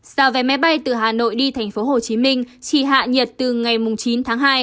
giá vé máy bay từ hà nội đi tp hcm chỉ hạ nhiệt từ ngày chín tháng hai